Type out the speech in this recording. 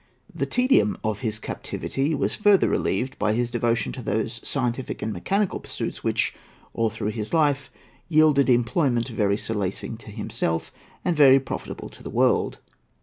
The tedium of his captivity was further relieved by his devotion to those scientific and mechanical pursuits which, all through life, yielded employment very solacing to himself, and very profitable to the world.